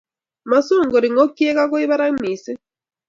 Masongori ngokiet agoi parak mising